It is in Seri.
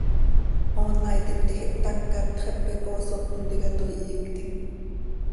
Hoona iti hptiij, ihptacat, Xepe Coosot tintica toii hyictim.